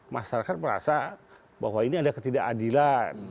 masyarakat merasa bahwa ini ada ketidakadilan